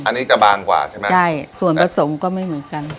อันนี้จะบางกว่าใช่ไหมใช่ส่วนผสมก็ไม่เหมือนกัน